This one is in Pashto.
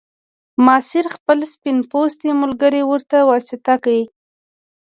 ماسیر خپل سپین پوستی ملګری ورته واسطه کړ.